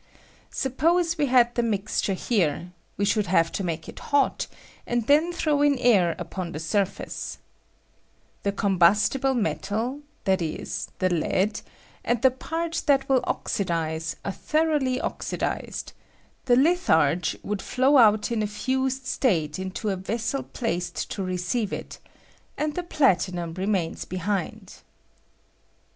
Stippoae we had the mixture here ; we ahould have to make it hot, and then throw in air upon the surface. The combustible metal — that is, the lead — and the part that will oxidize are w —'— 1 ^^ 204 CUPELLATION OF PLATESTUM. thoroughly oxidized; the litharge would flow ' out in a fused state into a vessel placed to re ■ oeive it, and the platinum remains behind.